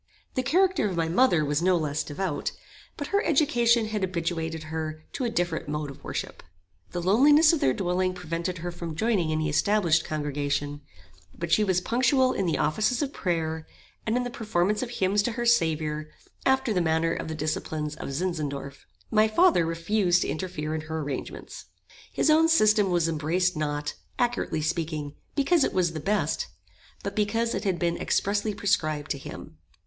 The character of my mother was no less devout; but her education had habituated her to a different mode of worship. The loneliness of their dwelling prevented her from joining any established congregation; but she was punctual in the offices of prayer, and in the performance of hymns to her Saviour, after the manner of the disciples of Zinzendorf. My father refused to interfere in her arrangements. His own system was embraced not, accurately speaking, because it was the best, but because it had been expressly prescribed to him.